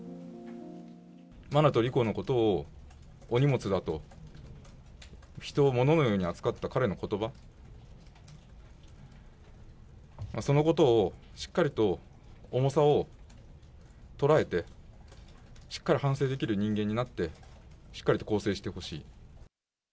真菜と莉子のことをお荷物だと人をもののように扱った彼のことば、そのことをしっかりと重さを捉えて、しっかり反省できる人間になって、しっかりと更生してほしい。